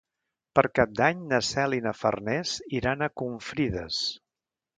Per Cap d'Any na Cel i na Farners iran a Confrides.